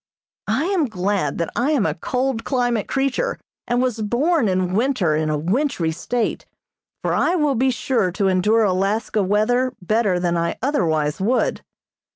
I am glad that I am a cold climate creature, and was born in winter in a wintry state, for I will be sure to endure Alaska weather better than I otherwise would.